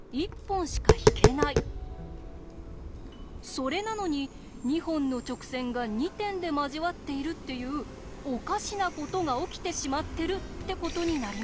それなのに２本の直線が２点で交わっているっていうおかしなことが起きてしまってるってことになります。